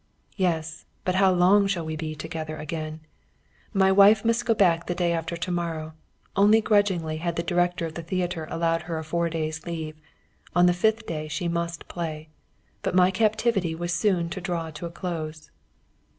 Yes, but how long shall we be together again? My wife must go back the day after to morrow. Only grudgingly had the director of the theatre allowed her a four days' leave. On the fifth day she must play. But my captivity was soon to draw to a close.